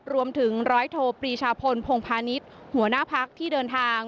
รวมถึงร้อยโทปรีชาพลพงพาณิชย์หัวหน้าพักที่เดินทาง